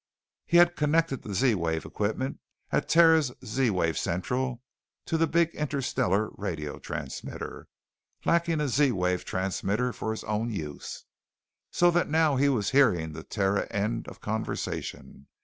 He had connected the Z wave equipment at Terra's Z wave central to the big interstellar radio transmitter, lacking a Z wave transmitter for his own use. So that now he was hearing the Terran end of conversation.